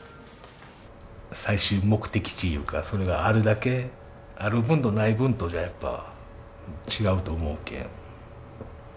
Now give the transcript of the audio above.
最終目的地いうかそれがあるだけある分とない分とじゃやっぱ違うと思うけん。